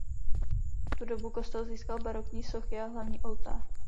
V tu dobu kostel získal barokní sochy a hlavní oltář.